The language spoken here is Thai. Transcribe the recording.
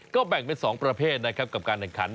ก็แบ่งเป็น๒ประเภทนะครับกับการแข่งขัน